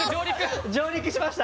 上陸しました！